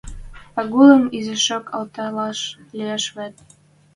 Пагулым изишок алталаш лиэш вет.